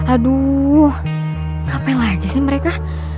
aduh ngapain lagi sih mereka